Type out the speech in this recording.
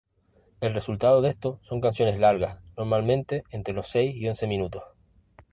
El resultado de esto son canciones largas, normalmente entre los seis y once minutos.